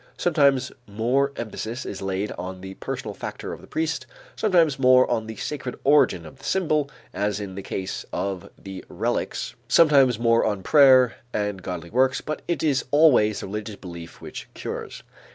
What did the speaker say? Sometimes more emphasis is laid on the personal factor of the priest, sometimes more on the sacred origin of the symbol as in the case of the relics, sometimes more on prayer and godly works, but it is always the religious belief which cures.